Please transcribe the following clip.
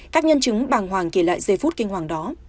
các nhân chứng bàng hoàng kể lại giây phút kinh hoàng đó